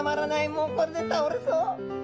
もうこれで倒れそう。